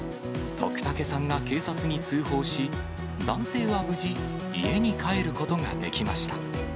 徳武さんが警察に通報し、男性は無事、家に帰ることができました。